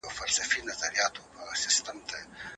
ولي کوښښ کوونکی د لایق کس په پرتله ژر بریالی کېږي؟